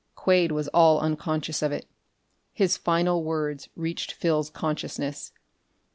Quade was all unconscious of it. His final words reached Phil's consciousness.